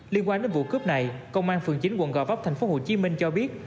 liên quan đến vụ cướp này công an phường chín quận gò vấp thành phố hồ chí minh cho biết